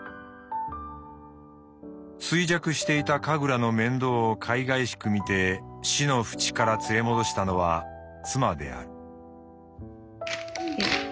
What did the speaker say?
衰弱していたカグラの面倒をかいがいしく見て死の淵から連れ戻したのは妻である」。